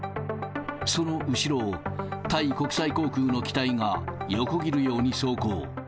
その後ろをタイ国際航空の機体が横切るように走行。